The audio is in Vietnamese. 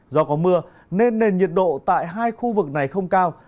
do có mưa nên nền nhiệt độ tại hai khu vực này không cao